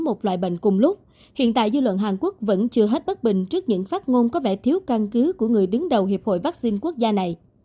một loại bệnh cùng lúc hiện tại dư luận hàn quốc vẫn chưa hết bất bình trước những phát ngôn có vẻ thiếu căn cứ của người đứng đầu hiệp hội vaccine quốc gia này